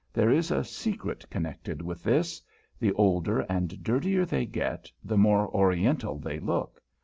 There is a secret connected with this. The older and dirtier they get, the more Oriental they look.